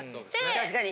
確かに。